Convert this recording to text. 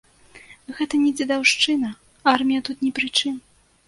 Гэта не дзедаўшчына, армія тут ні пры чым.